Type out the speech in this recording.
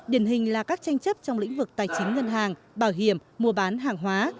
điển hình là các tranh chấp trong lĩnh vực tài chính ngân hàng bảo hiểm mua bán hàng hóa